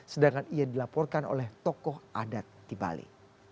sedangkan ia dilaporkan oleh tokoh adat di bali